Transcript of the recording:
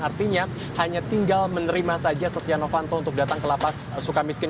artinya hanya tinggal menerima saja setia novanto untuk datang ke lp sukamiskin